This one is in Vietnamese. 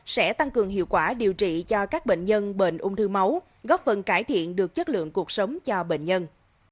sẽ tăng cường hiệu quả điều trị cho các bệnh nhân bệnh ung thư máu góp phần cải thiện được chất lượng cuộc sống cho bệnh nhân